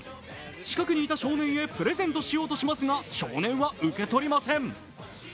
近くにいた少年へプレゼントしようとしますが少年は受け取りません。